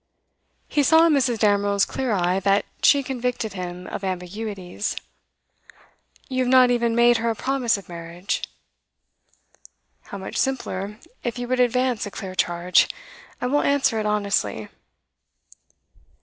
He saw in Mrs. Damerel's clear eye that she convicted him of ambiguities. 'You have not even made her a promise of marriage?' 'How much simpler, if you would advance a clear charge. I will answer it honestly.